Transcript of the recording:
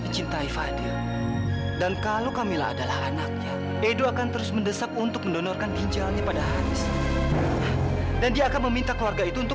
jangan ngomong seperti itu